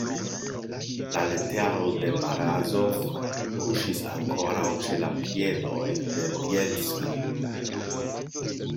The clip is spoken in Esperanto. La letero de Barazof kuŝis ankoraŭ ĉe la piedoj de Bjelski.